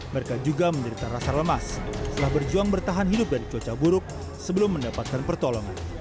mereka juga menderita rasa lemas setelah berjuang bertahan hidup dari cuaca buruk sebelum mendapatkan pertolongan